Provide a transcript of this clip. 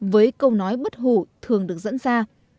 với câu nói bất hủ thường được dẫn ra